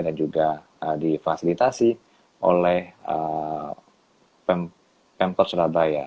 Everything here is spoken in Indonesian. dan juga difasilitasi oleh pemkot surabaya